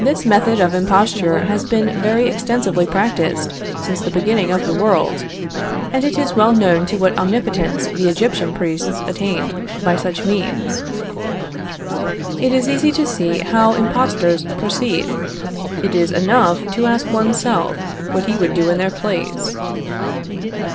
This method of imposture has been very extensively practiced since the beginning of the world, and it is well known to what omnipotence the Egyptian priests attained by such means. It is easy to see how impostors proceed. It is enough to ask one's self what he would do in their place.